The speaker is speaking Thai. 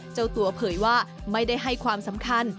เจ้าตัวเผยว่าไม่ได้ให้ความสำคัญ